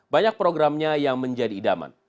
banyak programnya yang menjadi idaman